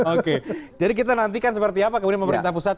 oke jadi kita nantikan seperti apa kemudian pemerintah pusat